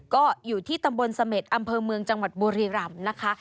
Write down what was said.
ก็อยู่ที่ตำบลเสม็ดอำเภอเมืองจังหวัดบุรีรำนะคะ